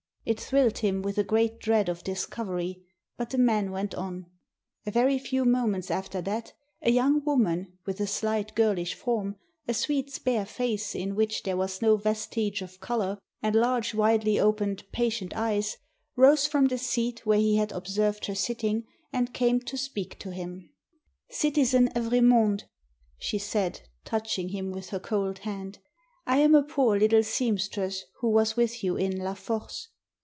It thrilled him with a great dread of dis covery; but the man went on, A very few moments after that, a young woman, with a slight girlish form, a sweet spare face in which there was no vestige of color, and large widely opened patient eyes, rose from the seat where he had observed her sitting, and came to speak to him. "Citizen Evremonde," she said, touching him with her cold hand. " I am a poor little seamstress, who was with you in La Force."